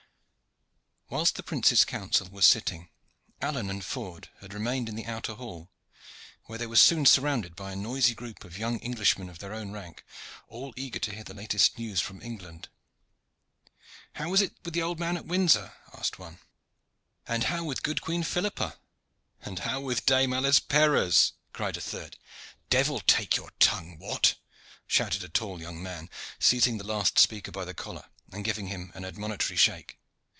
Whilst the prince's council was sitting, Alleyne and Ford had remained in the outer hall, where they were soon surrounded by a noisy group of young Englishmen of their own rank, all eager to hear the latest news from England. "How is it with the old man at Windsor?" asked one. "And how with the good Queen Philippa?" "And how with Dame Alice Perrers?" cried a third. "The devil take your tongue, Wat!" shouted a tall young man, seizing the last speaker by the collar and giving him an admonitory shake.